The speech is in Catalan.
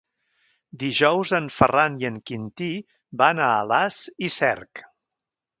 Dijous en Ferran i en Quintí van a Alàs i Cerc.